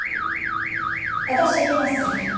私行きます。